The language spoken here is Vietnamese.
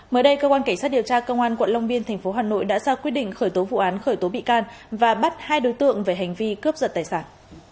mới đây cơ quan cảnh sát điều tra công an quận long biên tp hà nội đã ra quyết định khởi tố vụ án khởi tố bị can và bắt hai đối tượng về hành vi cướp giật tài sản